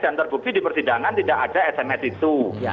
dan terbukti di persidangan tidak ada sms itu